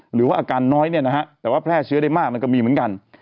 หรือว่าอาการน้อยเนี่ยนะฮะแต่ว่าแพร่เชื้อได้มากมันก็มีเหมือนกัน